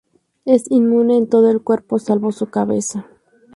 Es inmune en todo el cuerpo salvo su cabeza.